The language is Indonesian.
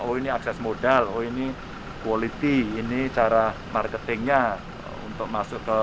oh ini akses modal oh ini quality ini cara marketingnya untuk masuk ke